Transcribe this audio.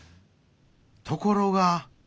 ところが。